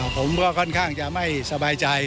ผมก็ค่อนข้างจะไม่สบายใจ